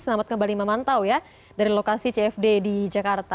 selamat kembali memantau ya dari lokasi cfd di jakarta